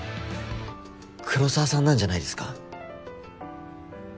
黒澤さんなんじゃないですか？